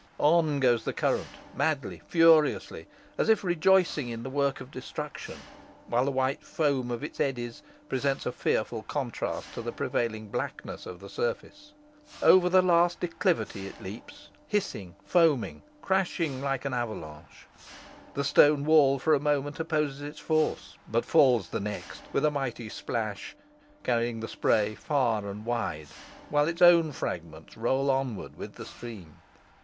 On goes the current, madly, furiously, as if rejoicing in the work of destruction, while the white foam of its eddies presents a fearful contrast to the prevailing blackness of the surface. Over the last declivity it leaps, hissing, foaming, crashing like an avalanche. The stone wall for a moment opposes its force, but falls the next, with a mighty splash, carrying the spray far and wide, while its own fragments roll onwards with the stream.